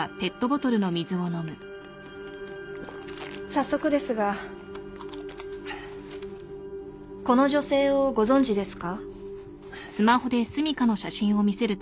早速ですがこの女性をご存じですか？